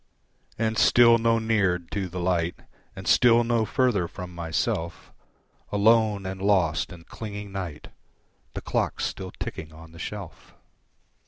And still no neared to the Light, And still no further from myself, Alone and lost in clinging night (The clock's still ticking on the shelf).